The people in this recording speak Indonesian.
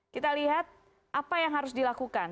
kita lihat apa yang harus dilakukan